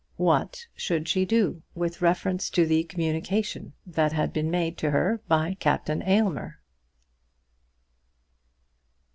What should she do with reference to the communication that had been made to her by Captain Aylmer?